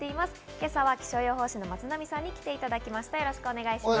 今朝は気象予報士の松並さんに来ていただきました。